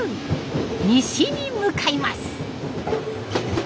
西に向かいます。